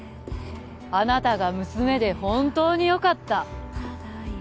「あなたが娘で本当によかった」